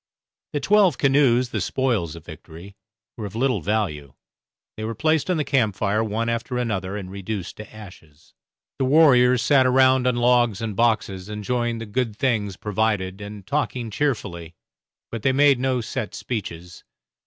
The twelve canoes, the spoils of victory, were of little value; they were placed on the camp fire one after another, and reduced to ashes. The warriors sat around on logs and boxes enjoying the good things provided and talking cheerfully, but they made no set speeches.